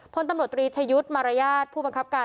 พลตำรวจตรีชะยุทธ์มารยาทผู้บังคับการ